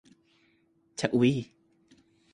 ชะอุ๋ยส์